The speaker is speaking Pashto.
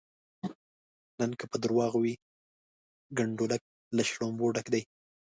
نن که په درواغو وي کنډولک له شلومبو ډک شي.